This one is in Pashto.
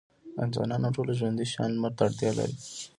انسانان او ټول ژوندي شيان لمر ته اړتيا لري.